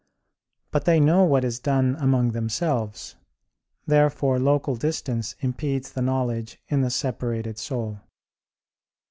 But they know what is done among themselves. Therefore local distance impedes the knowledge in the separated soul.